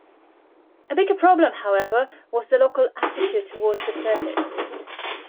A bigger problem, however, was the local attitude towards the circuit.